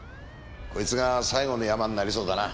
こいつが最後のヤマになりそうだな。